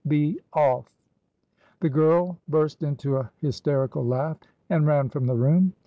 Be off!" The girl burst into a hysterical laugh, and ran from the room.